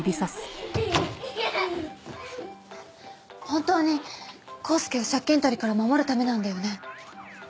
本当にコースケを借金取りから守るためなんだよね？